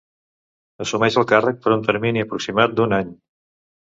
Assumeix el càrrec per un termini aproximat d'un any.